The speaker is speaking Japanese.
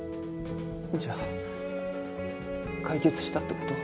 じゃあ解決したって事？